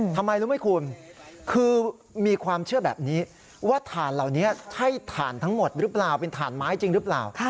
ทำไมรู้ไหมคุณคือมีความเชื่อแบบนี้ว่าถ่านเหล่านี้ใช่ถ่านทั้งหมดหรือเปล่าเป็นถ่านไม้จริงหรือเปล่า